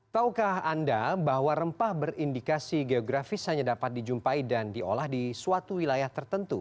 taukah anda bahwa rempah berindikasi geografis hanya dapat dijumpai dan diolah di suatu wilayah tertentu